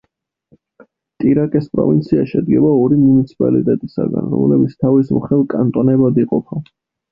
ტირაკეს პროვინცია შედგება ორი მუნიციპალიტეტისაგან, რომლებიც თავის მხრივ კანტონებად იყოფა.